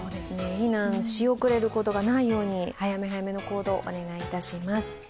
避難し遅れることがないように早め早めの行動お願いします。